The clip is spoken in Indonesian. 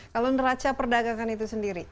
kalau neraca perdagangan itu sendiri